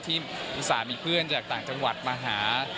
อุตส่าห์มีเพื่อนจากต่างจังหวัดมาหา